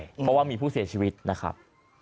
เพราะว่ามีผู้เสียชีวิตนะครับ